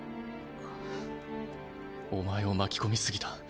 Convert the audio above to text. お前を巻き込み過ぎた。